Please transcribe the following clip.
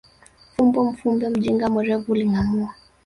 Fumbo mfumbe mjinga mwerevu huligangua